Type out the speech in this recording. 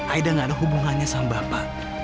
aida gak ada hubungannya sama bapak